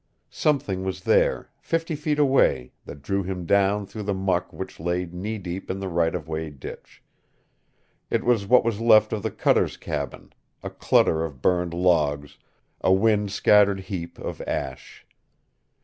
Something was there, fifty feet away, that drew him down through the muck which lay knee deep in the right of way ditch. It was what was left of the cutter's cabin, a clutter of burned logs, a wind scattered heap of ash.